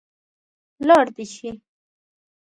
لاړ دې شي.